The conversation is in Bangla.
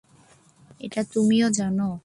এটা তুমিও জানো।